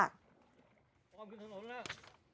พ่อมากขึ้นถนนแล้ว